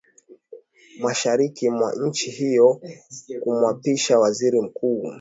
mashariki mwa nchi hiyo kumwapisha Waziri Mkuu